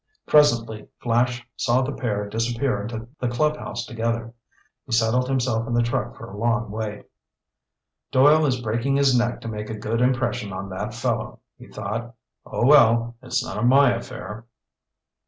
Presently Flash saw the pair disappear into the clubhouse together. He settled himself in the truck for a long wait. "Doyle is breaking his neck to make a good impression on that fellow," he thought. "Oh, well, it's none of my affair."